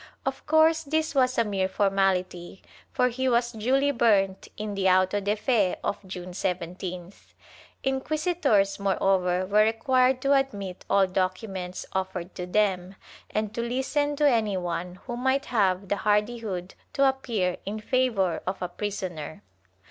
Of course this was a mere formality for he was duly burnt in the auto de fe of June 17th.' Inquisitors, moreover, were required to admit all documents offered to them, and to listen to any one who might have the hardihood to appear in favor of a prisoner.